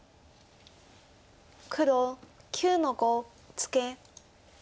黒９の五ツケ。